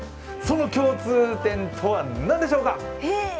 その共通点とは何でしょうか？